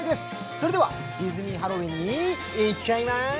それでは、ディズニー・ハロウィーンに行っちゃいま